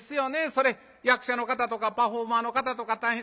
それ役者の方とかパフォーマーの方とか大変。